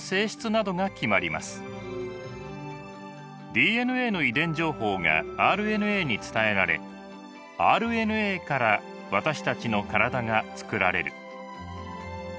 ＤＮＡの遺伝情報がＲＮＡに伝えられＲＮＡから私たちの体がつくられる。